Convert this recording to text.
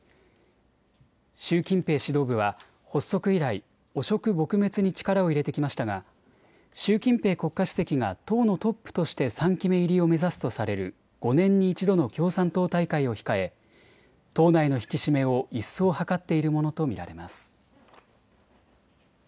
習近平指導部は発足以来、汚職撲滅に力を入れてきましたが習近平国家主席が党のトップとして３期目入りを目指すとされる５年に１度の共産党大会を控え党内の引き締めを一層図っているものと見られます。